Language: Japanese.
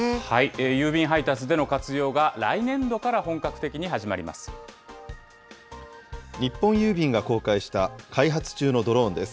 郵便配達での活用が、来年度から本格的に始まります。